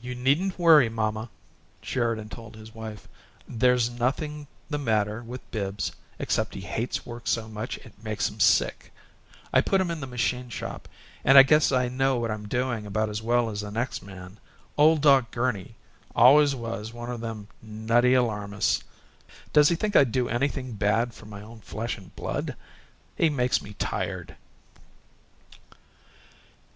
"You needn't worry, mamma," Sheridan told his wife. "There's nothin' the matter with Bibbs except he hates work so much it makes him sick. I put him in the machine shop, and I guess I know what I'm doin' about as well as the next man. Ole Doc Gurney always was one o' them nutty alarmists. Does he think I'd do anything 'd be bad for my own flesh and blood? He makes me tired!"